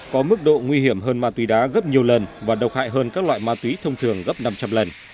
có mức độ nguy hiểm hơn ma túy đá gấp nhiều lần và độc hại hơn các loại ma túy thông thường gấp năm trăm linh lần